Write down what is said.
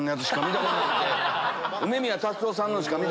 梅宮辰夫さんのしか。